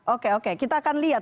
oke oke kita akan lihat